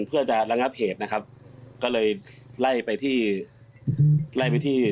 เพื่อจะระงับเหตุนะครับก็เลยไล่ไปที่ไล่ไปที่